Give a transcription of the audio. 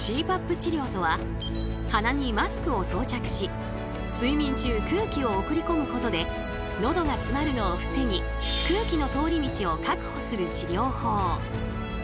治療とは鼻にマスクを装着し睡眠中空気を送り込むことでのどが詰まるのを防ぎ空気の通り道を確保する治療法。